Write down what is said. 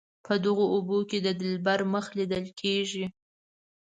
په دغو اوبو کې د دلبر مخ لیدل کیږي.